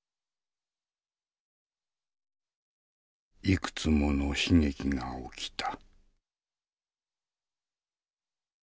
いくつもの悲劇が起きた。